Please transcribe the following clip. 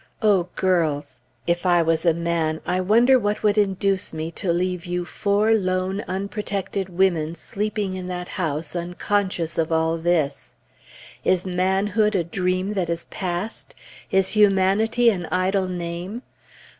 O girls! if I was a man, I wonder what would induce me to leave you four lone, unprotected women sleeping in that house, unconscious of all this? Is manhood a dream that is past? Is humanity an idle name?